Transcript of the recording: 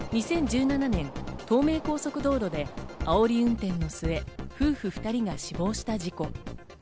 ２０１７年、東名高速道路であおり運転の末、夫婦２人が死亡した事故。